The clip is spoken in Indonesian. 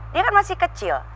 dia kan masih kecil